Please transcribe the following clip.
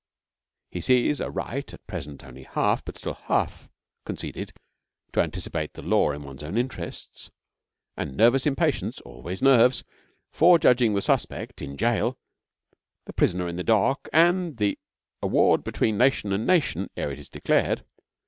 He sees a right, at present only half but still half conceded to anticipate the law in one's own interests; and nervous impatience (always nerves) forejudging the suspect in gaol, the prisoner in the dock, and the award between nation and nation ere it is declared.